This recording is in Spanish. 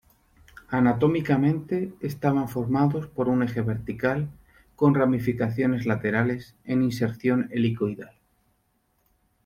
Anatómicamente estaban formados por un eje vertical con ramificaciones laterales en inserción helicoidal.